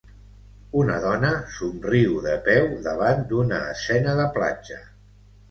Una dona somriu de peu davant d'una escena de platja.